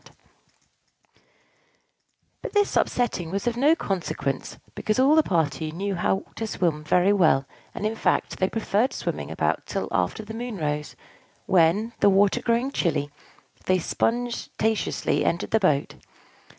But this upsetting was of no consequence, because all the party knew how to swim very well: and, in fact, they preferred swimming about till after the moon rose; when, the water growing chilly, they sponge taneously entered the boat.